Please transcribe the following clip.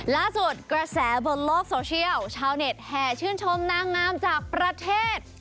ล่าสุดกระแสบนโลกโซเชียลชาวเน็ตแห่ชื่นชมนางงามจากประเทศ